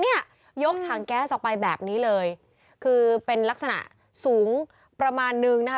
เนี่ยยกถังแก๊สออกไปแบบนี้เลยคือเป็นลักษณะสูงประมาณนึงนะคะ